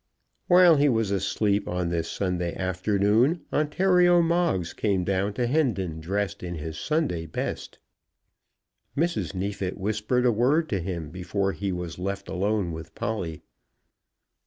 While he was asleep on this Sunday afternoon Ontario Moggs came down to Hendon dressed in his Sunday best. Mrs. Neefit whispered a word to him before he was left alone with Polly.